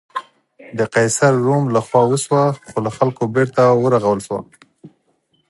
د قیصر روم له خوا وسوه، خو له خلکو بېرته ورغول شوه.